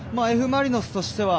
Ｆ・マリノスとしては